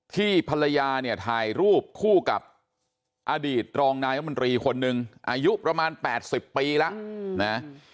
ภรรยาเนี่ยถ่ายรูปคู่กับอดีตรองนายมนตรีคนหนึ่งอายุประมาณ๘๐ปีแล้วนะ